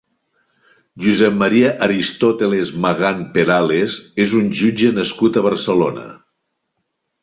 José María Aristóteles Magán Perales és un jutge nascut a Barcelona.